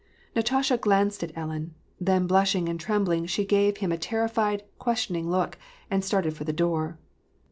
Natasha glanced at Ellen ; then, blushing and trembling, she gave him a terrified, questioning look, and started for the door.